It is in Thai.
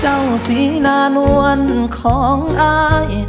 เจ้าศรีนานวลของอาย